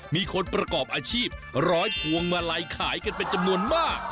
มีคนประกอบอาชีพร้อยพวงมาลัยขายกันเป็นจำนวนมาก